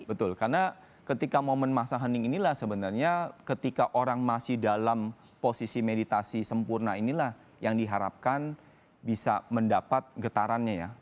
betul karena ketika momen masa huning inilah sebenarnya ketika orang masih dalam posisi meditasi sempurna inilah yang diharapkan bisa mendapat getarannya ya